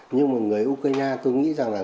nhưng mà người ukraine tôi nghĩ rằng là